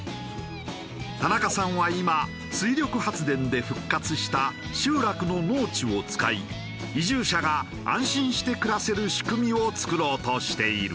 田中さんは今水力発電で復活した集落の農地を使い移住者が安心して暮らせる仕組みを作ろうとしている。